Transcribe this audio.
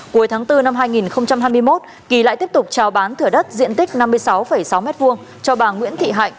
cuối tháng bốn năm hai nghìn hai mươi một kỳ lại tiếp tục trào bán thửa đất diện tích năm mươi sáu sáu m hai cho bà nguyễn thị hạnh